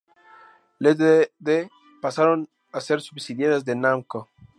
Ltd., pasaron a ser subsidiarias de Namco.